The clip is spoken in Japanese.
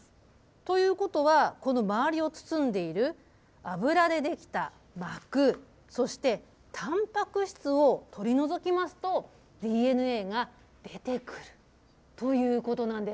ということは、この周りを包んでいる脂で出来た膜、そしてたんぱく質を取り除きますと、ＤＮＡが出てくるということなんです。